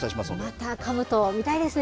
またかぶとを見たいですね。